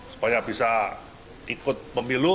supaya bisa ikut pemilu